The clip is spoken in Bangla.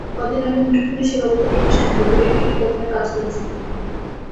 কদিন আগে মুঠোফোন সেবাদাতা প্রতিষ্ঠান রবির একটি বিজ্ঞাপনে কাজ করেছেন তিনি।